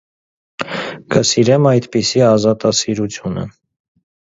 կսիրեմ այդպիսի ազատասիրությունը: